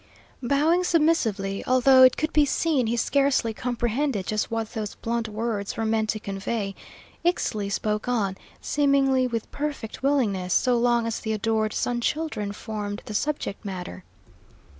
Bowing submissively, although it could be seen he scarcely comprehended just what those blunt words were meant to convey, Ixtli spoke on, seemingly with perfect willingness, so long as the adored "Sun Children" formed the subject matter.